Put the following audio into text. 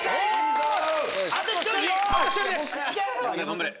頑張れ！